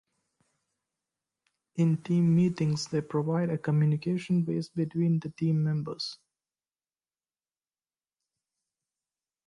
In team meetings they provide a communication base between the team members.